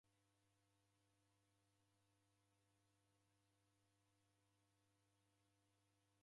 Chovu radima kuririkanya malagho